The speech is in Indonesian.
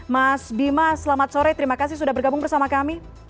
mas bima selamat sore terima kasih sudah bergabung bersama kami